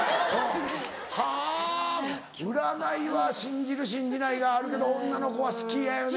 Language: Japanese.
はぁ占いは信じる信じないがあるけど女の子は好きやよね。